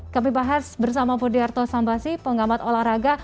kami bahas bersama podiarto sambasi penggamat olahraga